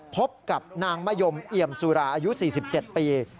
พบกับนางมะยมเอี่ยมสุราอายุ๔๗ปี